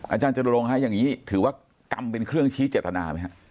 อาจารย์จตุรงค์อย่างนี้ถือว่ากรรมเป็นเครื่องชี้เจตนาไหมครับ